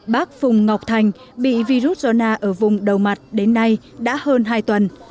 bác phùng ngọc thành bị virus corona ở vùng đầu mặt đến nay đã hơn hai tuần